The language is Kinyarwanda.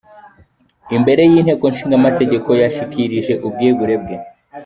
Imbere y’inteko ishinga amategeko yashyikirije ubwegure bwe.